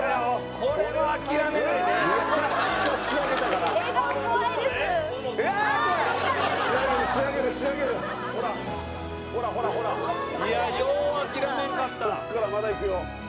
ここからまだいくよ。